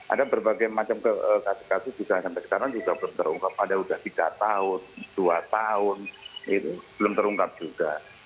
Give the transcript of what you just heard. ada berbagai macam kasus kasus juga sampai sekarang juga belum terungkap ada sudah tiga tahun dua tahun itu belum terungkap juga